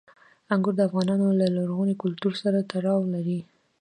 انګور د افغانانو له لرغوني کلتور سره تړاو لري.